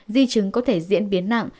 di chứng có thể diễn biến nặng